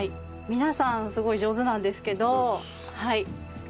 皆さんすごい上手なんですけど。